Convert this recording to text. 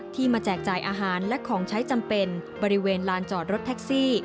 มาแจกจ่ายอาหารและของใช้จำเป็นบริเวณลานจอดรถแท็กซี่